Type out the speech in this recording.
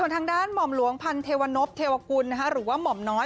ทางด้านหม่อมหลวงพันเทวนพเทวกุลหรือว่าหม่อมน้อย